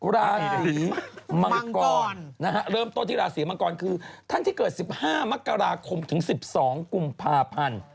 ราศีมังกรเริ่มต้นที่ราศีมังกรคือท่านที่เกิด๑๕มกราคมถึง๑๒กุมภาพันธ์